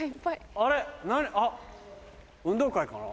あっ運動会かな？